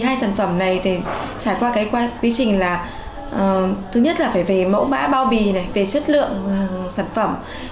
hai sản phẩm này trải qua quy trình là thứ nhất là phải về mẫu bã bao bì về chất lượng sản phẩm